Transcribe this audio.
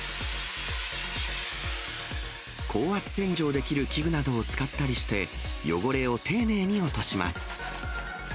高圧洗浄できる器具などを使ったりして、汚れを丁寧に落とします。